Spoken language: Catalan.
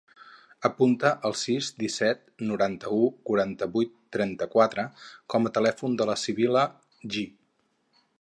Apunta el sis, disset, noranta-u, quaranta-vuit, trenta-quatre com a telèfon de la Sibil·la Ji.